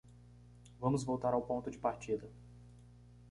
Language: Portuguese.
Vamos voltar ao ponto de partida.